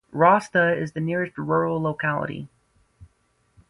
Rosta is the nearest rural locality.